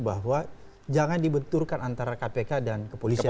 bahwa jangan dibenturkan antara kpk dan kepolisian